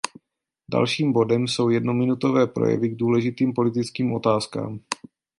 Dalším bodem jsou jednominutové projevy k důležitým politickým otázkám.